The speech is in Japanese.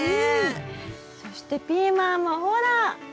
そしてピーマンもほら！